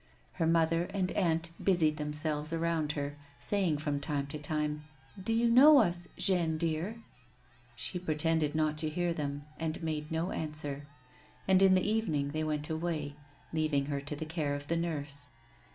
Her mother and aunt busied themselves around her, saying from time to time :" Do you know us now, Jeanne, dear ]" She pretended not to hear them, and made no answer ; and in the evening they went away, leaving her to the care of the nurse.